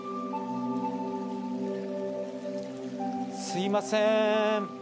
すいませーん。